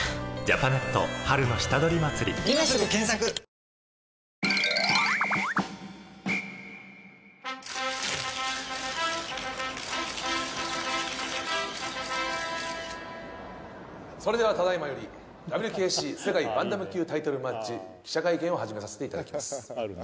リブネスタウンへそれではただいまよりＷＫＣ世界バンタム級タイトルマッチ記者会見を始めさせていただきます